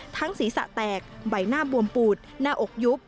ศีรษะแตกใบหน้าบวมปูดหน้าอกยุบ